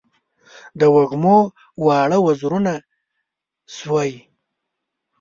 د وږمو واړه وزرونه سوی